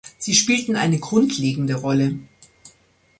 Sie spielten eine grundlegende Rolle.